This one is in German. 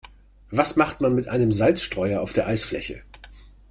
Was macht man mit einem Salzstreuer auf der Eisfläche?